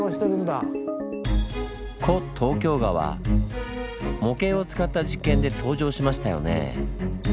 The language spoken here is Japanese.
古東京川模型を使った実験で登場しましたよね。